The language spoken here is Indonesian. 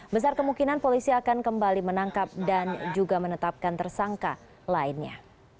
besar kemungkinan polisi akan kembali menangkap dan juga menetapkan tersangka lainnya